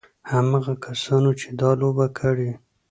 هماغه کسانو چې دا لوبه کړې.